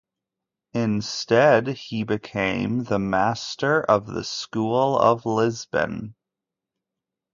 Instead, he became the Master of the school of Lisbon.